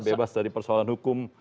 bebas dari persoalan hukum